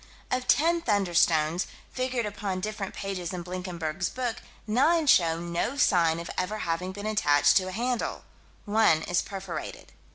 Of ten "thunderstones," figured upon different pages in Blinkenberg's book, nine show no sign of ever having been attached to a handle: one is perforated.